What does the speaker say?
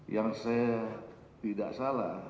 yang saya tidak salah